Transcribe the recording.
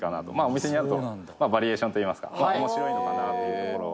「お店にあるとバリエーションといいますか面白いのかなというところ」